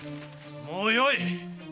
もうよい！